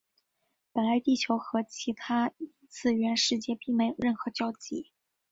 本来地球和其他异次元世界并没有任何交集。